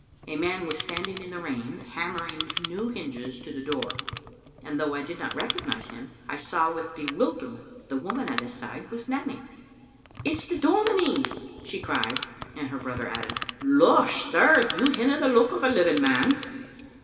A man was standing in the rain, hammer ing new hinges to the door; and though I did not recognize him, I saw with bewilderment that the woman at his side was Nanny. " It's the dominie," she cried, and her brother added: '* Losh, sir, you hinna the look o' a living man."